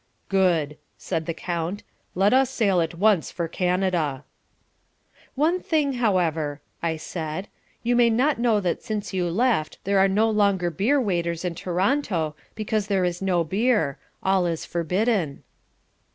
"Good," said the count. "Let us sail at once for Canada." "One thing, however," I said. "You may not know that since you left there are no longer beer waiters in Toronto because there is no beer. All is forbidden."